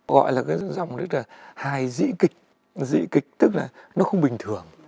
gọi là cái dòng rất là hài dị kịch dị kịch tức là nó không bình thường